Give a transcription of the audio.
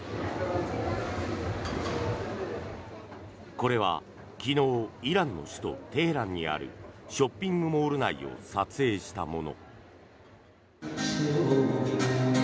これは昨日イランの首都テヘランにあるショッピングモール内を撮影したもの。